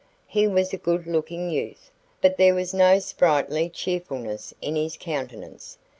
He was a good looking youth, but there was no sprightly cheerfulness in his countenance.